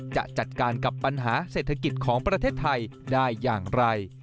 จะจัดการกับปัญหาเศรษฐกิจของประเทศไทยได้อย่างไร